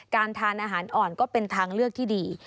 การทานอาหารอ่อนก็เป็นทางเลือกที่ดี